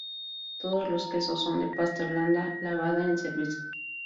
Todos los quesos son de pasta blanda lavada en cerveza.